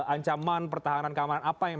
ancaman pertahanan keamanan apa yang